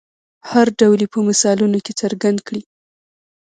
هر ډول یې په مثالونو کې څرګند کړئ.